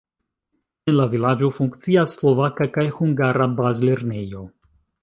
En la vilaĝo funkcias slovaka kaj hungara bazlernejo.